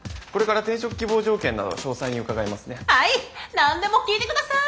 何でも聞いて下さい。